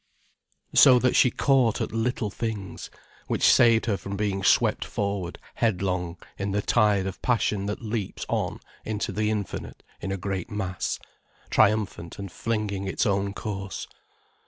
So that she caught at little things, which saved her from being swept forward headlong in the tide of passion that leaps on into the Infinite in a great mass, triumphant and flinging its own course.